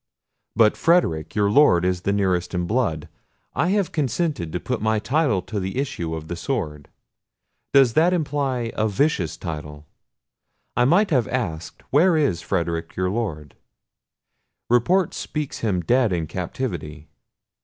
But Frederic, your Lord, is nearest in blood. I have consented to put my title to the issue of the sword. Does that imply a vicious title? I might have asked, where is Frederic your Lord? Report speaks him dead in captivity.